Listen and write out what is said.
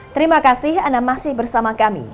terima kasih anda masih bersama kami